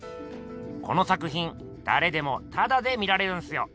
この作品だれでもタダで見られるんすよ。